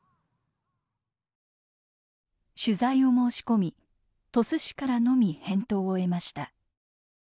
取材を申し込み鳥栖市からのみ返答を得ました。